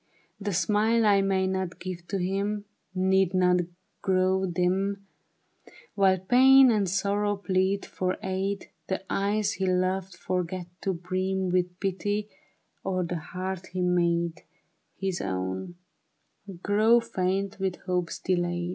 " The smile I may not give to him Need not grow dim While pain and sorrow plead for aid ; The eyes he loved, forget to brim With pity, or the heart he made His own, grow faint with hopes delayed."